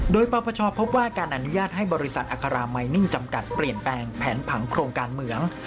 โดยปปชพบว่าการอนุญาตให้บริษัทอัครามัยนิ่งจำกัดเปลี่ยนแปลงแผนผังโครงการเมือง